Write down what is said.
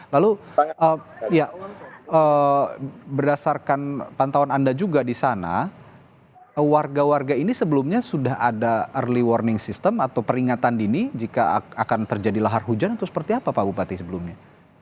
lalu berdasarkan pantauan anda juga di sana warga warga ini sebelumnya sudah ada early warning system atau peringatan dini jika akan terjadi lahar hujan atau seperti apa pak bupati sebelumnya